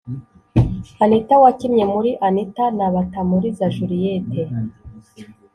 Anitha (wakinnye muri Anitha) na Batamuriza Juliette